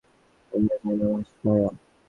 তোমরা জানো, ভায়া।